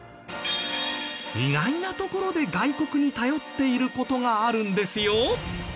意外なところで外国に頼っている事があるんですよ。